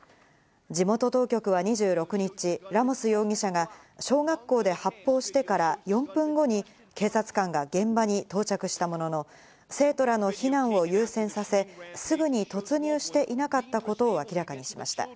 地元当局は２６日、ラモス容疑者が小学校で発砲してから４分後に警察官が現場に到着したものの、生徒らの避難を優先させ、すぐに突入していなかったことを明らかにしました。